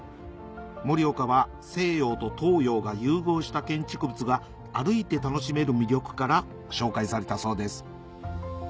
盛岡は西洋と東洋が融合した建築物が歩いて楽しめる魅力から紹介されたそうです